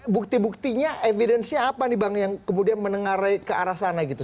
bukti buktinya evidence nya apa nih bang yang kemudian menengarai ke arah sana gitu